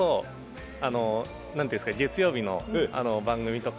月曜日の番組とか。